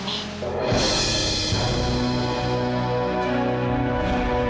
bapak mau ke rumah ini